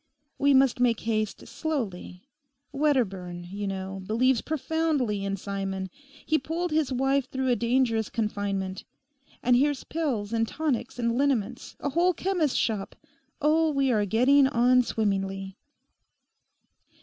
We must make haste slowly. Wedderburn, you know, believes profoundly in Simon; he pulled his wife through a dangerous confinement. And here's pills and tonics and liniments—a whole chemist's shop. Oh, we are getting on swimmingly.